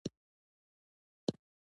لوېدیځو سیمو ساتلو خواته واړوله.